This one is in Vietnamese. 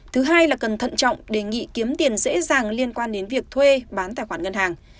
thứ hai là cần thận trọng đề nghị kiếm tiền dễ dàng liên quan đến việc thuê bán tài khoản ngân hàng